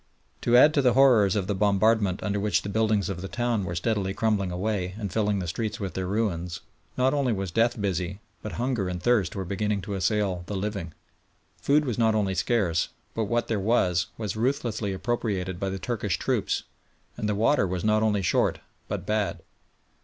To add to the horrors of the bombardment under which the buildings of the town were steadily crumbling away and filling the streets with their ruins, not only was death busy, but hunger and thirst were beginning to assail the living. Food was not only scarce, but what there was was ruthlessly appropriated by the Turkish troops, and the water was not only short but bad.